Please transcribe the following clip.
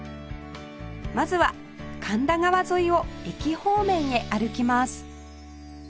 まずは神田川沿いを駅方面へ歩きます